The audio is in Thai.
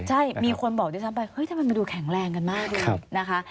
ใช่มีคนบอกด้วยซ้ำไปเฮ้ยทำไมมันดูแข็งแรงกันมากเลยนะคะ